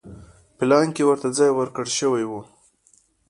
پلان کې ورته ځای ورکړل شوی و.